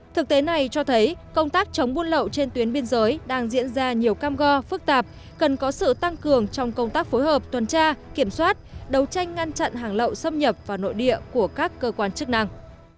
thực tế này cho thấy công tác chống buôn lậu trên tuyến biên giới đang diễn ra nhiều cam go phức tạp cần có sự tăng cường trong công tác phối hợp tuần tra kiểm soát đấu tranh ngăn chặn hàng lậu xâm nhập vào nội địa của các cơ quan chức năng